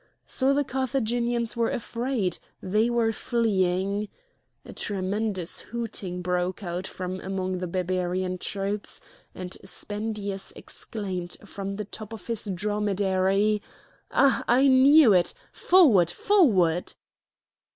So the Carthaginians were afraid, they were fleeing! A tremendous hooting broke out from among the Barbarian troops, and Spendius exclaimed from the top of his dromedary: "Ah! I knew it! Forward! forward!"